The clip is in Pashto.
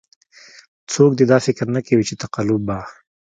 څوک دې دا فکر نه کوي چې تقلب به.